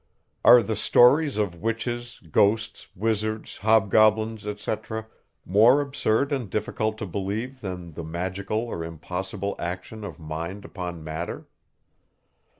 Are the stories of witches, ghosts, wizards, hobgoblins, etc., more absurd and difficult to believe than the magical or impossible action of mind upon matter?